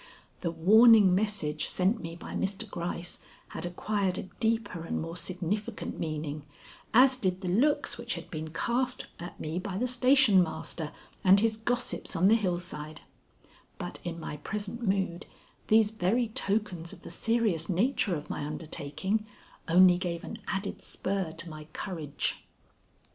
The warning message sent me by Mr. Gryce had acquired a deeper and more significant meaning, as did the looks which had been cast me by the station master and his gossips on the hillside, but in my present mood these very tokens of the serious nature of my undertaking only gave an added spur to my courage.